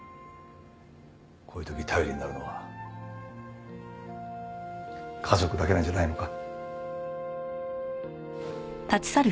こういう時頼りになるのは家族だけなんじゃないのか？